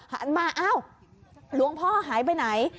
หันมาอ้าวหลวงพ่อหายไปไหน